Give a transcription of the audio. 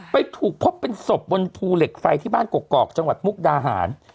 ไปถูกพบเป็นศพบนภูเหล็กไฟที่บ้านกอกจังหวัดมุกดาหาร